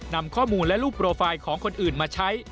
นำข้อมูลและรูปโปรไฟล์ของคนอื่นมาใช้